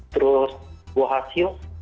terus buah hasil